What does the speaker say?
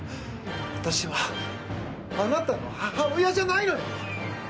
私はあなたの母親じゃないのよ！